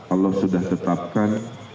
allah sudah tetapkan